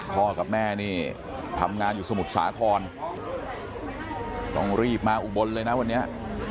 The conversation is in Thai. กับแม่นี่ทำงานอยู่สมุทรสาครต้องรีบมาอุบลเลยนะวันนี้